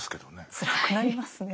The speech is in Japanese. つらくなりますね。